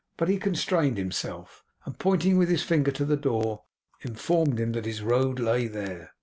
But he constrained himself, and pointing with his finger to the door, informed him that his road lay there.